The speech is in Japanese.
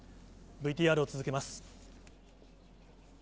ＶＴＲを続けます。